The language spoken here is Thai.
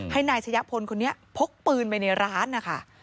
ให้นายชะยะพลคนนี้พกปืนไปในร้านนะคะ